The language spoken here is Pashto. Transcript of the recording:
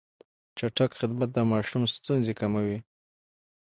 چټک خدمت د ماشوم ستونزې کموي.